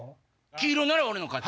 黄色なら俺の勝ち。